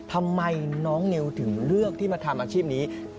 ทำไมน้องนิวถึงเลือกที่มาทำอาชีพนี้